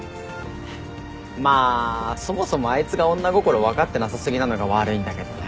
まあそもそもあいつが女心分かってなさ過ぎなのが悪いんだけどね。